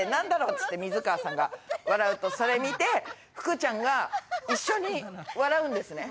っつって水川さんが笑うとそれ見て福ちゃんが一緒に笑うんですね。